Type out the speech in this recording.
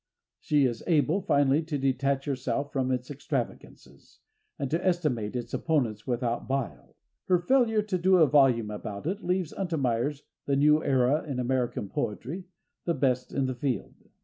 She is able, finally, to detach herself from its extravagances, and to estimate its opponents without bile. Her failure to do a volume about it leaves Untermeyer's "The New Era in American Poetry" the best in the field.